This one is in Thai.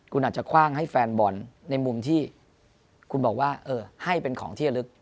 คุณอาจจะคว่างให้แฟนบอลในมุมที่คุณบอกว่าเออให้เป็นของที่ระลึก